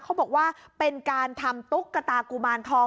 เขาบอกว่าเป็นการทำตุ๊กตากุมารทอง